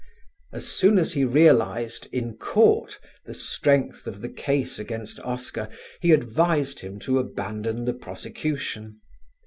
As soon as he realised, in court, the strength of the case against Oscar he advised him to abandon the prosecution.